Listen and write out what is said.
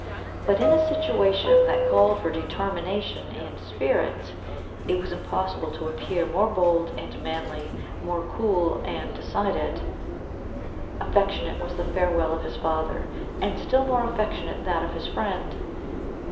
But in a situation, that called for determination and spirit, it was impossible to appear more bold and manly, more cool and decided, Affectionate was the farewel of his father, and still more affectionate that of his friend.